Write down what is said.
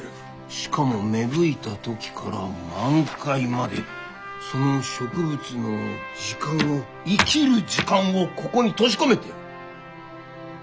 しかも芽吹いた時から満開までその植物の時間を生きる時間をここに閉じ込めてる！